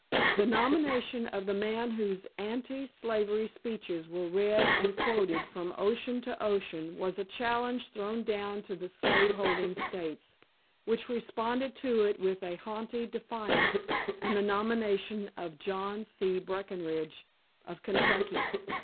The nomination of the man whose anti slavery speeches were read and quoted from ocean to ocean was a challenge thrown down to the slave holding States, which responded to it with haughty defiance and the nomination of John C. Breckinridge, of Kentucky.